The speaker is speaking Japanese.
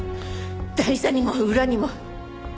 台座にも裏にも。